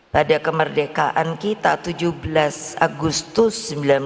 pada kemerdekaan kita tujuh belas agustus seribu sembilan ratus empat puluh lima